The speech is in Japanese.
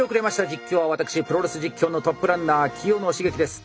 実況は私プロレス実況のトップランナー清野茂樹です。